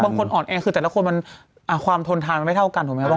อ่อนแอคือแต่ละคนมันความทนทานมันไม่เท่ากันถูกไหมครับ